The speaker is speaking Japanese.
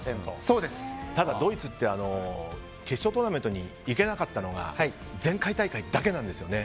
ただ、ドイツって決勝トーナメントに行けなかったのが前回大会だけなんですよね。